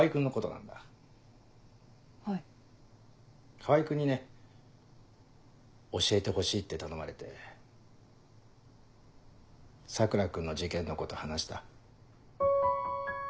川合君にね教えてほしいって頼まれて桜君の事件のこと話した。